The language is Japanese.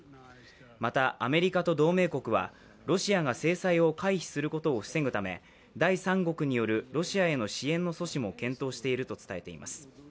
また、アメリカと同盟国はロシアが制裁を回避することを防ぐため第三国によるロシアへの支援の阻止も検討していると伝えています。